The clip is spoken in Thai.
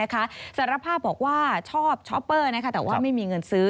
สารภาพบอกว่าชอบช้อปเปอร์แต่ว่าไม่มีเงินซื้อ